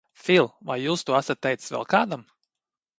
Fil, vai jūs to esat teicis vēl kādam?